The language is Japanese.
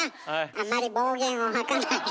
あまり暴言を吐かないの。